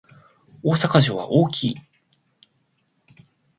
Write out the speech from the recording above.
大阪城は大きい